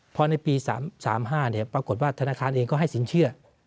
พอในปี๓๕ปรากฏว่าธนาคารเองก็ให้สินเชื่อ